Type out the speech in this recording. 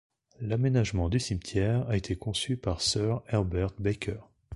L'aménagement du cimetière a été conçu par Sir Herbert Baker.